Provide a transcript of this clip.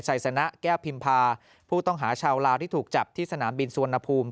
ไซสนะแก้วพิมพาผู้ต้องหาชาวลาวที่ถูกจับที่สนามบินสุวรรณภูมิ